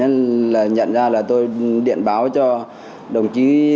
nên là nhận ra là tôi điện báo cho đồng chí